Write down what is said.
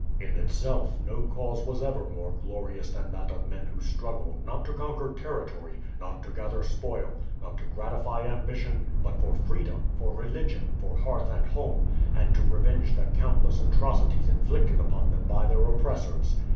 In itself, no cause was ever more glorious than that of men who struggle, not to conquer territory, not to gather spoil, not to gratify ambition, but for freedom, for religion, for hearth and home, and to revenge the countless atrocities inflicted upon them by their oppressors.